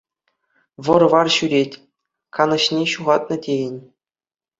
Вӑр-вар ҫӳрет, канӑҫне ҫухатнӑ тейӗн.